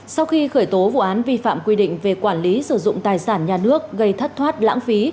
sau khi khởi tố vụ án vi phạm quy định về quản lý sử dụng tài sản nhà nước gây thất thoát lãng phí